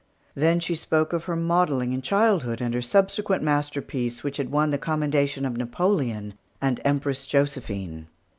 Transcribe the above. Then she spoke of her modelling in childhood, and her subsequent masterpiece, which had won the commendation of Napoleon and Empress Josephine.